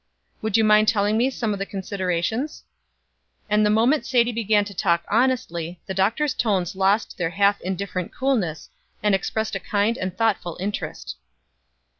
"Would you mind telling me some of the considerations?" And the moment Sadie began to talk honestly, the doctor's tones lost their half indifferent coolness, and expressed a kind and thoughtful interest.